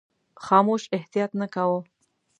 خاموش احتیاط نه کاوه.